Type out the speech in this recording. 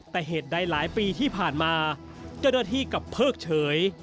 แต่เหตุใดหลายปีที่ผ่านมาเจ้าหน้าที่กลับเพิกเฉย